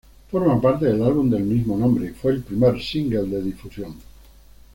Forma parte del álbum del mismo nombre y fue el primer single de difusión.